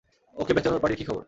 ওকে, bachelor পার্টির কি খবর?